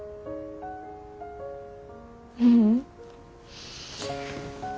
ううん。